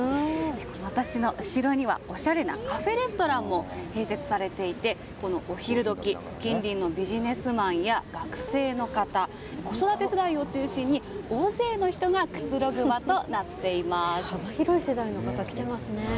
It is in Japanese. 私の後ろには、おしゃれなカフェレストランも併設されていてこのお昼どき近隣のビジネスマンや学生の方、子育て世代を中心に大勢の人が幅広い方、来てますね。